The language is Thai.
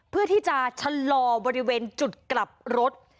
เพื่อที่จะชะลอบริเวณจุดกลับรถ